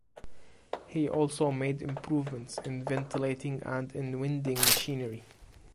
He also made improvements in ventilating and in winding machinery.